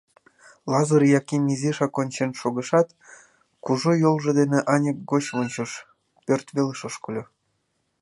Лазыр Яким изишак ончен шогышат, кужу йолжо дене аньык гоч вончыш, пӧрт велыш ошкыльо.